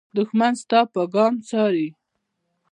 دښمن ستا هر ګام څاري